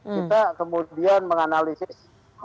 kita kemudian menganalisis